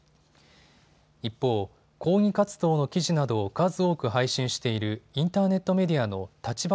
一方、抗議活動の記事などを数多く配信しているインターネットメディアの立場